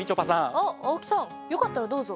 あっ青木さんよかったらどうぞ。